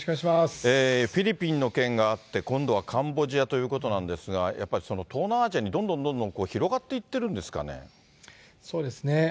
フィリピンの件があって、今度はカンボジアということなんですが、やっぱりその東南アジアにどんどんどんどん広がっていってるんでそうですね。